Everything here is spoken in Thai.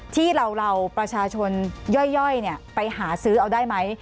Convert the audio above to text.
ที่เราประชาชนย่อยไปหาซื้อเอาได้ไหม